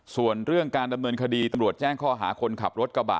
ส่วนเรื่องการดำเนินคดีตำรวจแจ้งข้อหาคนขับรถกระบะ